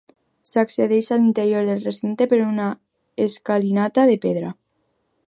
S'accedeix a l'interior del recinte per una escalinata de pedra.